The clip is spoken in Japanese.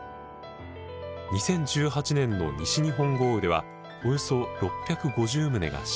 ２０１８年の西日本豪雨ではおよそ６５０棟が浸水。